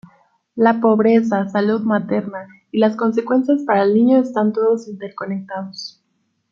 La pobreza, salud materna, y las consecuencias para el niño están todos interconectados.